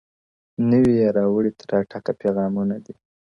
• نوي یې راوړي تر اټکه پیغامونه دي,